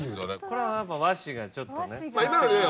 これはやっぱ和紙がちょっとね。